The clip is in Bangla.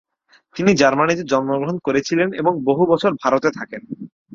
তিনি জার্মানিতে জন্মগ্রহণ করেছিলেন এবং বহু বছর ভারতে থাকেন।